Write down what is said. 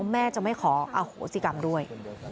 แม่จะไม่ขออโหสิกรรมด้วย